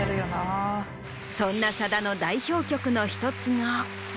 そんなさだの代表曲の１つが。